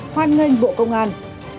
hoan nghênh bộ công an